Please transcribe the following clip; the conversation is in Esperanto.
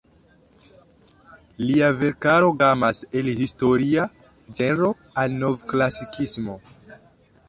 Lia verkaro gamas el historia ĝenro al Novklasikismo.